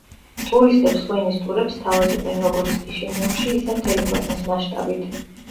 ტურისტებს ღვინის ტურებს სთავაზობენ როგორც კიშინიოვში, ისე მთელი ქვეყნის მასშტაბით.